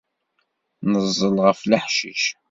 Neẓẓel ɣef leḥcic.